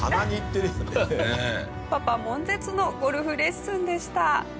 パパ悶絶のゴルフレッスンでした。